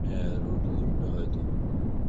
হ্যাঁ রোদ উঠবে হয়ত।